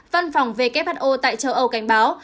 văn phòng who tại châu âu cảnh báo